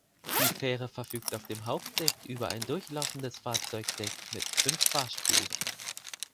Die Fähre verfügt auf dem Hauptdeck über ein durchlaufendes Fahrzeugdeck mit fünf Fahrspuren.